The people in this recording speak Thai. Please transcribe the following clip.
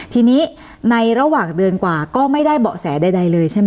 ทีนี้ในระหว่างเดือนกว่าก็ไม่ได้เบาะแสใดเลยใช่ไหม